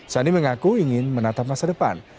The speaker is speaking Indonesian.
sandi mengaku ingin menatap masa depan